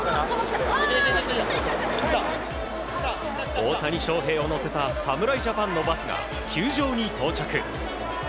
大谷翔平を乗せた侍ジャパンのバスが球場に到着。